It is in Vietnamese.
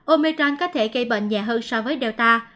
omecan có thể gây bệnh nhẹ hơn so với delta